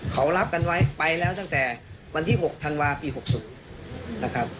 เขารับกันไว้ไปแล้วตั้งแต่วันที่๖ธันวาปี๖๐นะครับ